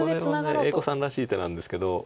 これも栄子さんらしい手なんですけど。